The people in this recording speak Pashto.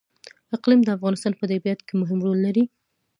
اقلیم د افغانستان په طبیعت کې مهم رول لري.